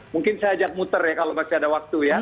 mungkin saya ajak muter ya kalau masih ada waktu ya